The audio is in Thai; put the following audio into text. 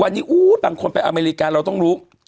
วันนี้บางคนไปอเมริกาเราต้องรู้